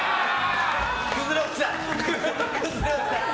崩れ落ちた！